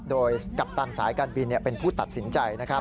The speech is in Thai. โดยกัปตันสายการบินเป็นผู้ตัดสินใจ